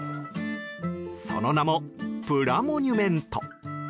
その名もプラモニュメント。